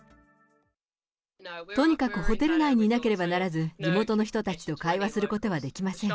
とにかくホテル内にいなければならず、地元の人たちと会話することはできません。